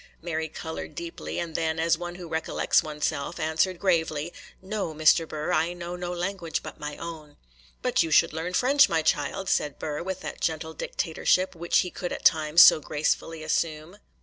Mary coloured deeply, and then, as one who recollects one's self, answered, gravely,— 'No, Mr. Burr, I know no language but my own.' 'But you should learn French, my child,' said Burr, with that gentle dictatorship which he could at times so gracefully assume.